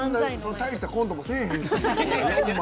大したコントもせえへんし。